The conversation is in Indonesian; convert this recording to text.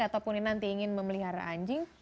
ataupun nanti ingin memelihara anjing